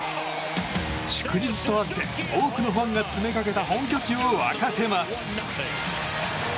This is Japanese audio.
祝日とあって、多くのファンが詰めかけた本拠地を沸かせます。